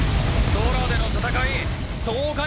空での戦い。